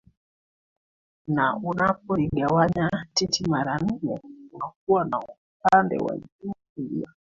na unapo ligawanya titi mara nne utakuwa na upande wa juu kulia